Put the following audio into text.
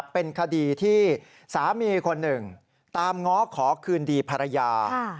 เป็นคดีที่สามีคนหนึ่งตามง้อขอคืนดีภรรยา